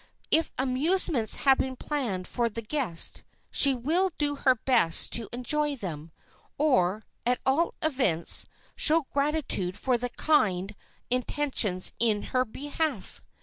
If amusements have been planned for the guest, she will do her best to enjoy them, or, at all events, to show gratitude for the kind intentions in her behalf.